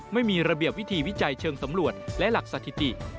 ไม่มีระเบียบวิธีวิจัยเชิงสำรวจและหลักสถิติ